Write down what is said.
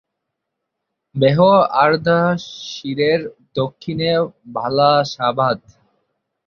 ভেহ-আর্দাশিরের দক্ষিণে ভালাশাবাদ।